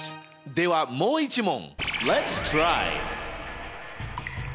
ではもう一問。